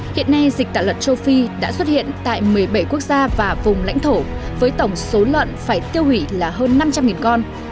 hiện nay dịch tả lợn châu phi đã xuất hiện tại một mươi bảy quốc gia và vùng lãnh thổ với tổng số lợn phải tiêu hủy là hơn năm trăm linh con